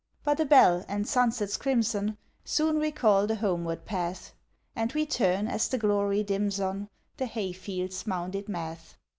But a bell and sunset's crimson Soon recall the homeward path. And we turn as the glory dims on The hay field's mounded math.